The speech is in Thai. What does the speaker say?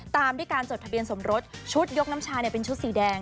ตามด้วยการจดทะเบียนสมรสชุดยกน้ำชาเป็นชุดสีแดง